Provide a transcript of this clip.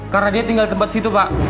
karena dia tinggal tempat situ pak